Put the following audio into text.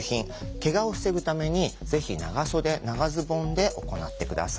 けがを防ぐためにぜひ長袖・長ズボンで行って下さい。